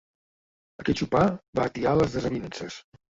Aquell sopar va atiar les desavinences.